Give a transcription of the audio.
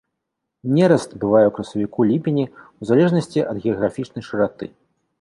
Нераст бывае ў красавіку-ліпені ў залежнасці ад геаграфічнай шыраты.